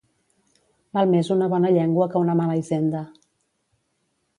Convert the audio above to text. Val més una bona llengua que una mala hisenda